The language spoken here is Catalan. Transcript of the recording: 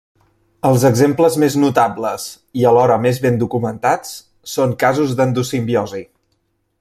Els exemples més notables, i alhora més ben documentats, són casos d'endosimbiosi.